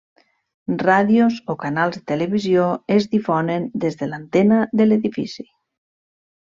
Ràdios o canals de televisió es difonen des de l'antena de l'edifici.